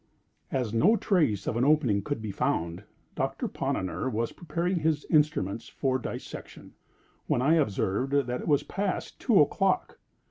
As no trace of an opening could be found, Doctor Ponnonner was preparing his instruments for dissection, when I observed that it was then past two o'clock.